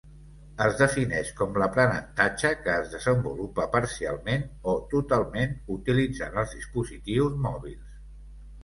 Es defineix com l’aprenentatge que es desenvolupa parcialment o totalment utilitzant els dispositius mòbils.